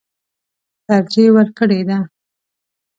ترجېح ورکړې ده.